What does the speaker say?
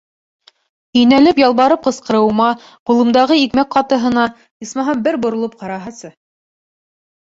Инәлеп, ялбарып ҡысҡырыуыма, ҡулымдағы икмәк ҡатыһына, исмаһам, бер боролоп ҡараһасы.